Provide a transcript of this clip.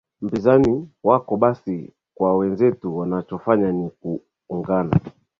mpinzani wako basi kwa wenzetu wanachofanya ni kuungana